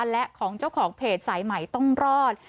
และของเจ้าของเพจสายใหม่ต้องรอด